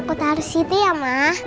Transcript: aku taruh di situ ya mbak